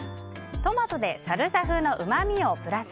トマトでサルサ風のうまみをプラス。